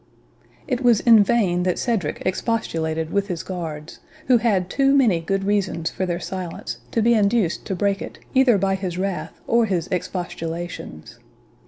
It was in vain that Cedric expostulated with his guards, who had too many good reasons for their silence to be induced to break it either by his wrath or his expostulations.